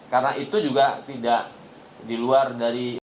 karena itu juga tidak di luar dari